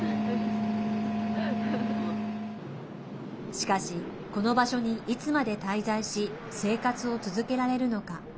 しかしこの場所にいつまで滞在し生活を続けられるのか。